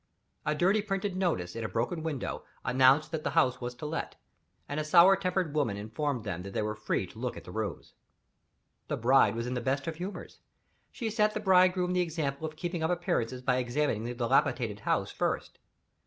A dirty printed notice, in a broken window, announced that the House was To Let; and a sour tempered woman informed them that they were free to look at the rooms. The bride was in the best of humors. She set the bridegroom the example of keeping up appearances by examining the dilapidated house first.